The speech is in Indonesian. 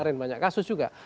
tidak banyak kasus juga